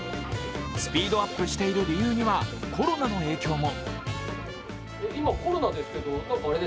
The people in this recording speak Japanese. スピードアップしている理由にはコロナの影響も。